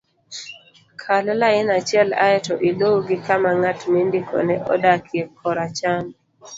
kal lain achiel aeto iluw gi kama ng'at mindikone odakie kor acham